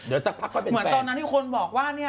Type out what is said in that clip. เหมือนตอนนั้นที่คนบอกว่าเนี่ย